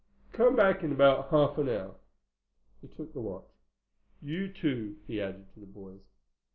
Come back in about half an hour." He took the watch. "You too," he added to the boys.